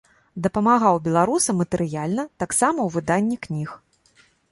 Дапамагаў беларусам матэрыяльна, таксама ў выданні кніг.